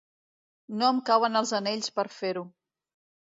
No em cauen els anells per fer-ho.